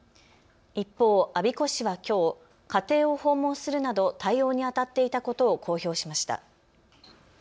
一方、我孫子市はきょう家庭を訪問するなど対応にあたっていたことを公表しました。